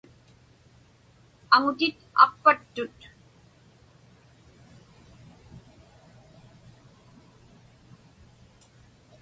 Aŋutit aqpattut.